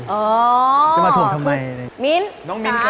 เออเพราะถ่วงทำไม